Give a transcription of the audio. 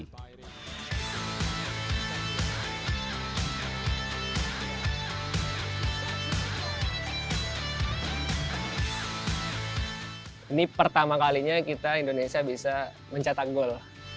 ini pertama kalinya indonesia bisa mencatat gol